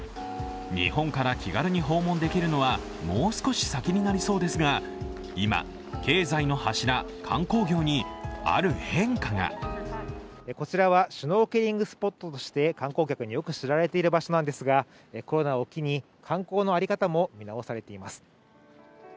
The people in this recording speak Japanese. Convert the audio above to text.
日本から気軽に訪問できるのはもう少し先になりそうですが、今、経済の柱・観光業にある変化がこちらはシュノーケリングスポットとして観光客によく知られている場所なんですが、コロナを機に観光の在り方も見直されています。